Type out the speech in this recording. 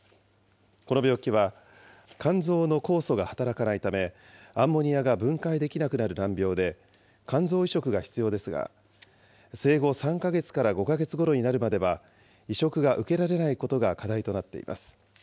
この病気は、肝臓の酵素が働くないため、アンモニアが分解できなくなる難病で、肝臓移植が必要ですが、生後３か月から５か月ごろになるまでは移植が受けられないことが課題となっています。